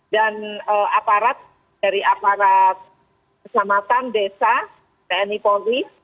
dan aparat dari aparat keselamatan desa tni poli